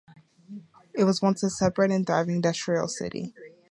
It was once a separate and thriving industrial city.